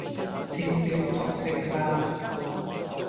清蒸東星斑